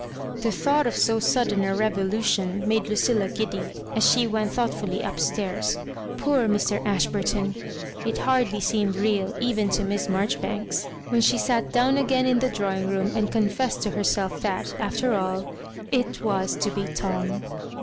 The thought of so sud .den a revolution made Ludlla giddy as she went thoughtfully up stairs. Poor Mr. Ash burton I It har^y seemed real even to Miss Maijoribanks when she sat down again in the drawing room, and confessed to herself that, after all, it was to be Tom.